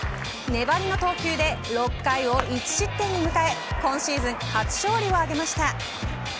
粘りの投球で６回を１失点に抑え今シーズン初勝利を挙げました。